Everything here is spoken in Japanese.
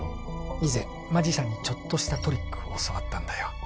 以前マジシャンにちょっとしたトリックを教わったんだよ